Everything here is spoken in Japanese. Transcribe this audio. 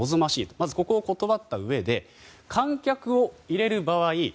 まずここを断ったうえで観客を入れる場合